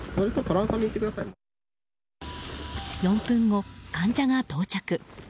４分後、患者が到着。